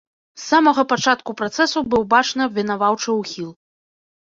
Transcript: З самога пачатку працэсу быў бачны абвінаваўчы ўхіл.